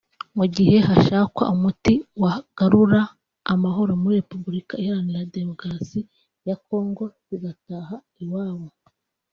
mu gihe hashakwa umuti wagarura amahoro muri Repubulika iharanira demokarasi ya Kongo zigataha iwabo